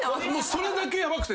それだけヤバくて。